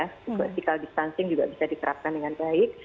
physical distancing juga bisa diterapkan dengan baik